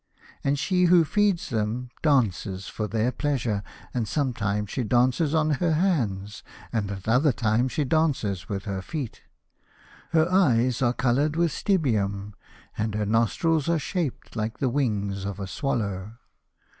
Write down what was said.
And she who feeds them dances for their pleasure, and sometimes she dances on her hands and at other times she dances with her feet. Her eyes are coloured with stibium, and her nostrils are shaped like the wings of a swallow.